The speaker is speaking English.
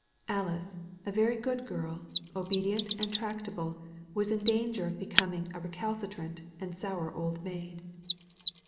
Alice, a very good girl, obedient and tractable, was in danger of be coming a recalcitrant and sour old maid.